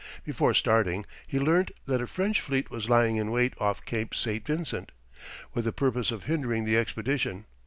Before starting, he learnt that a French fleet was lying in wait off Cape St. Vincent, with the purpose of hindering the expedition.